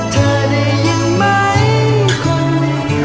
เธอได้ยินไหมคน